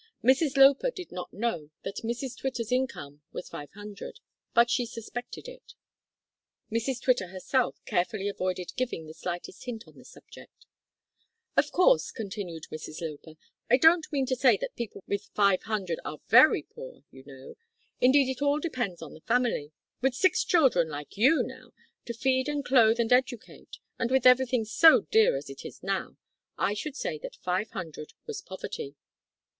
Mrs Loper did not know that Mrs Twitter's income was five hundred, but she suspected it. Mrs Twitter herself carefully avoided giving the slightest hint on the subject. "Of course," continued Mrs Loper, "I don't mean to say that people with five hundred are very poor, you know; indeed it all depends on the family. With six children like you, now, to feed and clothe and educate, and with everything so dear as it is now, I should say that five hundred was poverty."